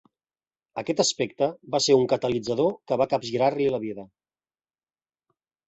Aquest aspecte va ser un catalitzador que va capgirar-li la vida.